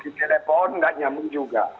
di telepon tidak nyamuk juga